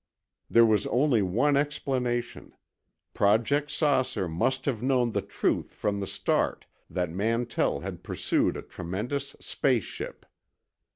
There was only one explanation: Project "Saucer" must have known the truth from the start that Mantell had pursued a tremendous space ship.